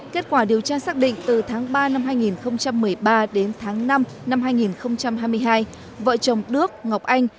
kết quả điều tra xác định từ tháng ba năm hai nghìn một mươi ba đến tháng năm năm hai nghìn hai mươi hai vợ chồng đức ngọc anh